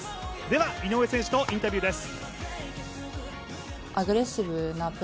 では、井上選手とインタビューです。